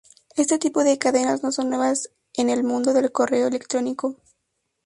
Este tipo de cadenas no son nuevas en el mundo del correo electrónico.